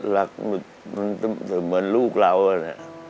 รักมันถึงเหมือนลูกเราอะเนี่ย